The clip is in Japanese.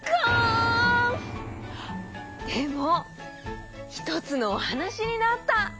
でもひとつのおはなしになった！